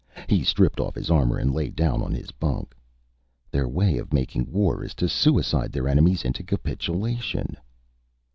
He stripped off his armor and lay down on his bunk. "Their way of making war is to suicide their enemies into capitulation."